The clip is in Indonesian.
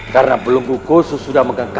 karena berlenggu gosu sudah menggenggamka